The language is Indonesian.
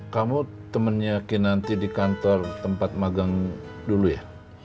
kamu temennya kinanti di kantor tempat magang dulu ya